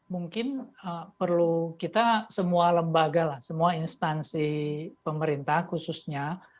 mungkin perlu kita semua lembaga lah semua instansi pemerintah khususnya